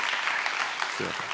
すいません。